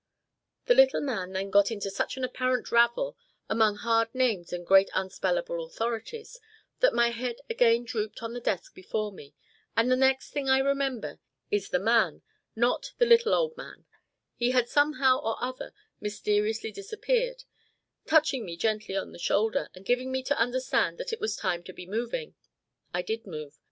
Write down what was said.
The little man then got into such an apparent ravel, among hard names and great unspellable authorities, that my head again drooped on the desk before me, and the next thing I remember, is the man not the little old man; he had somehow or other mysteriously disappeared touching me gently on the shoulder, and giving me to understand that it was time to be moving. I did move.